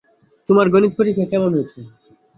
তোমার গণিত পরীক্ষা কেমন হয়েছে?